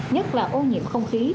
nhất là ô nhiễm không khí